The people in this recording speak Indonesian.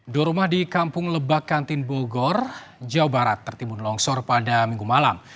dua rumah di kampung lebak kantin bogor jawa barat tertimbun longsor pada minggu malam